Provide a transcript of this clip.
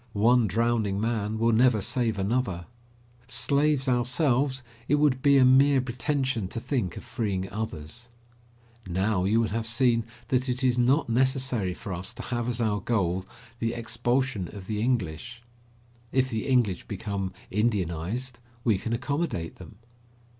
One drowning man will never save another. Slaves ourselves, it would be a mere pretension to think of freeing others. Now you will have seen that it is not necessary for us to have as our goal the expulsion of the English. If the English become Indianised, we can accommodate them.